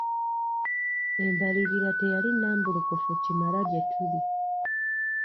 Embalirira teyali nnambulukufu kimala gye tuli.